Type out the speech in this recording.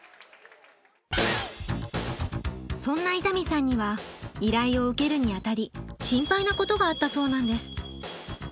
そんな伊丹さんには依頼を受けるにあたり心配なことがあったそうなんです。